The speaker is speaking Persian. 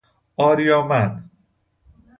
آریامن